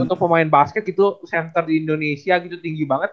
untuk pemain basket itu center di indonesia gitu tinggi banget